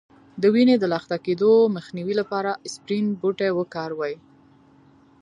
د وینې د لخته کیدو مخنیوي لپاره اسپرین بوټی وکاروئ